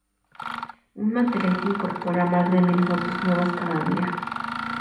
Un material que incorpora más de mil fotos nuevas cada día.